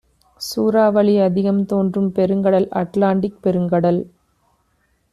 சூறாவளி அதிகம் தோன்றும் பெருங்கடல் அட்லாண்டிக் பெருங்கடல்